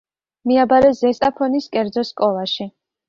მიაბარეს ზესტაფონის კერძო სკოლაში.